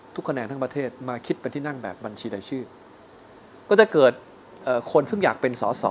คะแนนทั้งประเทศมาคิดเป็นที่นั่งแบบบัญชีรายชื่อก็จะเกิดคนซึ่งอยากเป็นสอสอ